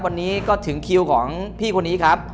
วันนี้ก็ถึงคิวของพี่คนนี้ครับ